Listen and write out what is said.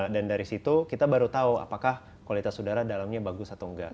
dan dari situ kita baru tahu apakah kualitas udara dalamnya bagus atau enggak